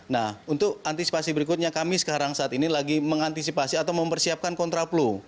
nah untuk antisipasi berikutnya kami sekarang saat ini lagi mengantisipasi atau mempersiapkan kontraplu